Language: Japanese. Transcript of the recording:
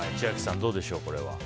どうでしょう、これは。